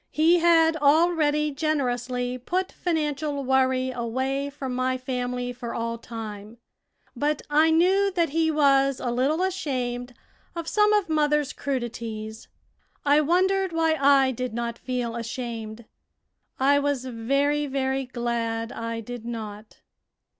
He had already generously put financial worry away from my family for all time, but I knew that he was a little ashamed of some of mother's crudities. I wondered why I did not feel ashamed. I was very, very glad I did not.